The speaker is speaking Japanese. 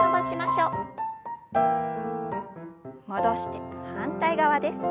戻して反対側です。